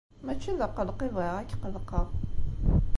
Mačči d aqelleq i bɣiɣ ad k-qellqeɣ.